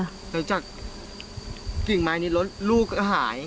แต่จากกลิ่งไม้นี้ลูกก็หาย